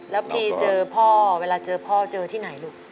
แล้วพีเจอพ่อเวลาเจอพ่อเจอที่ไหนลูก